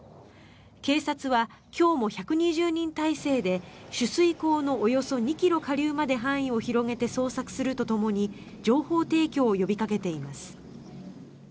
警察は今日も１２０人態勢で取水口のおよそ２ｋｍ下流まで範囲を広げて捜索するとともに情報提供を呼びかけています。